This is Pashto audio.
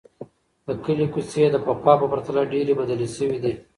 د کلي کوڅې د پخوا په پرتله ډېرې بدلې شوې دي.